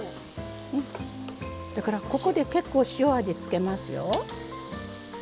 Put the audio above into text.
だから、ここで結構、塩味付けますよ。